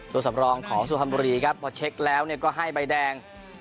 ตัวสำรองขอสู่ฮัมบุรีครับพอเช็คแล้วเนี่ยก็ให้ใบแดง